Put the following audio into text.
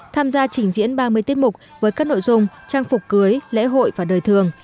tham gia trình diễn ba mươi tiết mục với các nội dung trang phục cưới lễ hội và đời thường